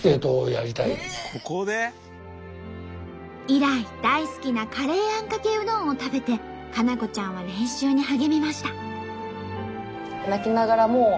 以来大好きなカレーあんかけうどんを食べて佳菜子ちゃんは練習に励みました。